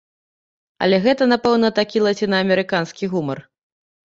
Але гэта, напэўна, такі лацінаамерыканскі гумар.